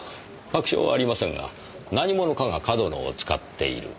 確証はありませんが何者かが上遠野を使っている。